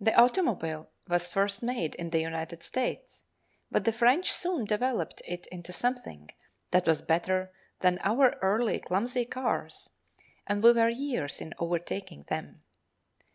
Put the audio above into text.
The automobile was first made in the United States, but the French soon developed it into something that was better than our early clumsy cars, and we were years in overtaking them.